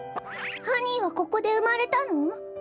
ハニーはここでうまれたの？